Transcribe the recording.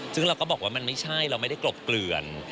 ซึ่งเราก็บอกว่ามันไม่ใช่เราไม่ได้กลบเกลื่อน